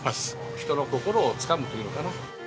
人の心をつかむというのかな。